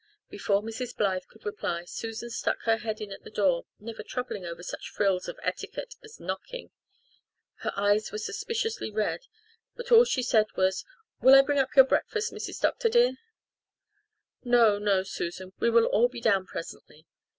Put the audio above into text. Before Mrs. Blythe could reply Susan stuck her head in at the door, never troubling over such frills of etiquette as knocking. Her eyes were suspiciously red but all she said was, "Will I bring up your breakfast, Mrs. Dr. dear." "No, no, Susan. We will all be down presently.